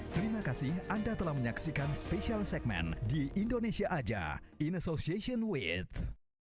terima kasih anda telah menyaksikan special segmen di indonesia aja in association with